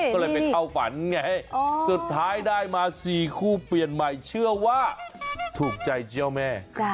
ก็เลยไปเข้าฝันไงสุดท้ายได้มา๔คู่เปลี่ยนใหม่เชื่อว่าถูกใจเจ้าแม่